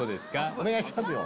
お願いしますよ。